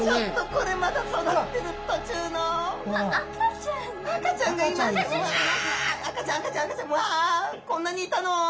こんなにいたの！